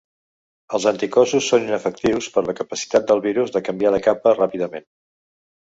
Els anticossos són inefectius per la capacitat del virus de canviar de capa ràpidament.